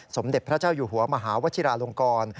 สมเด็จพระเจ้าอยู่หัวมหาวชิราลงกร